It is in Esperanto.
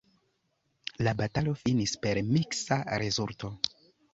La batalo finis per miksa rezulto.